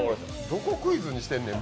どこクイズにしてんねん。